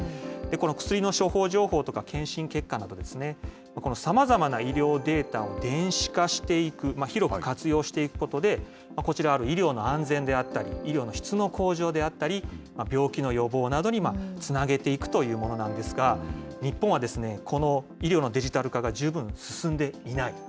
薬の処方情報とか、検診結果など、このさまざまな医療データを電子化していく、広く活用していくことで、こちらある医療の安全であったり、医療の質の向上であったり、病気の予防などにつなげていくというものなんですが、日本はこの医療のデジタル化が十分進んでいない。